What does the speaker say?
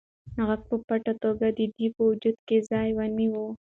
غږ په پټه توګه د ده په وجود کې ځای ونیوه.